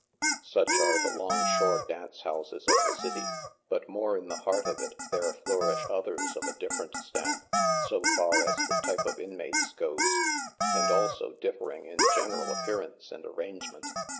Such are the 'longshore dance houses of the city, but more in the heart of it there flourish others of a different stamp, so far as the type of inmates goes, and also differing in general appearance and arrangement.